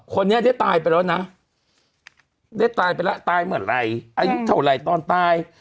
คนนี้ได้ตายไปแล้วนะได้ตายไปแล้วตายเมื่อไหร่อายุเท่าไหร่ตอนตาย